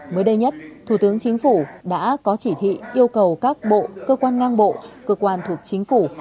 mới đây nhất thủ tướng chính phủ đã có chỉ thị yêu cầu các bộ cơ quan ngang bộ cơ quan thuộc chính phủ